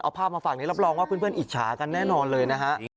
เอาภาพมาฝากนี้รับรองว่าเพื่อนอิจฉากันแน่นอนเลยนะฮะ